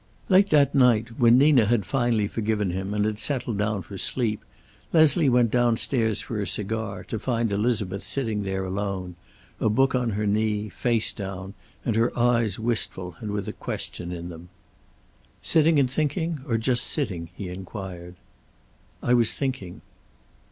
Late that night when Nina had finally forgiven him and had settled down for sleep, Leslie went downstairs for a cigar, to find Elizabeth sitting there alone, a book on her knee, face down, and her eyes wistful and with a question in them. "Sitting and thinking, or just sitting?" he inquired. "I was thinking."